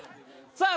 さあ